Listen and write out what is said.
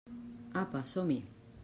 Apa, som-hi!